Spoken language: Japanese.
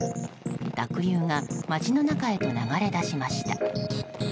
濁流が街の中へと流れ出しました。